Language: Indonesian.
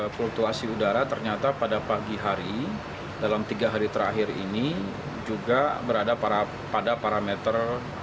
fluktuasi udara ternyata pada pagi hari dalam tiga hari terakhir ini juga berada pada parameter